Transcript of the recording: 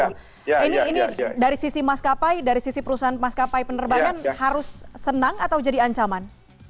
ini dari sisi maskapai dari sisi perusahaan maskapai penerbangan harus senang atau jadi ancaman